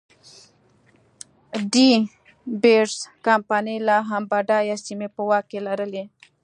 ډي بیرز کمپنۍ لا هم بډایه سیمې په واک کې لرلې.